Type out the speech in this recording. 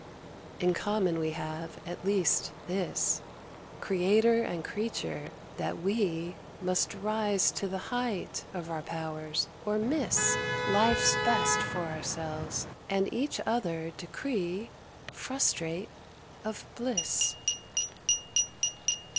In common we have, at least, this, Creator and creature, that we Must rise to the height of our powers, or miss Life's best for ourselves, and each other decree Frustrate of bliss.